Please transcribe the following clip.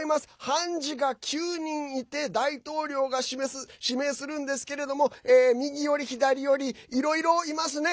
判事が９人いて大統領が指名するんですけれども右より左よりいろいろいますね。